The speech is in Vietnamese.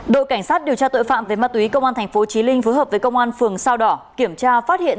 đội cảnh sát điều tra tội phạm về ma túy công an tp chí linh phối hợp với công an phường sao đỏ kiểm tra phát hiện